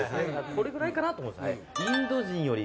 これぐらいかなと思うんですよね。